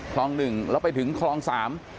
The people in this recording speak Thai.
หนึ่งแล้วไปถึงคลองสาม